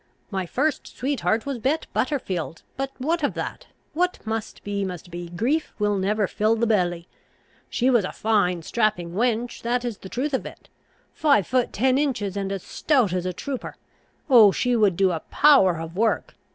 My first sweetheart was Bet Butterfield, but what of that? What must be must be; grief will never fill the belly. She was a fine strapping wench, that is the truth of it! five foot ten inches, and as stout as a trooper. Oh, she would do a power of work!